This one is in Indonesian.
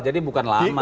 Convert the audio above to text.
jadi bukan lama